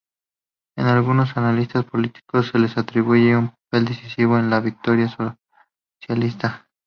Algunos analistas políticos le atribuyen un papel decisivo en la victoria socialista.